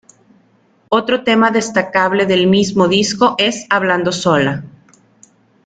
Otro tema destacable del mismo disco es "Hablando sola".